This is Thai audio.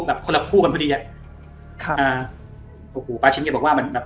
คนละคู่กันพอดีอ่ะค่ะอ่าโอ้โหป้าชิ้นแกบอกว่ามันแบบ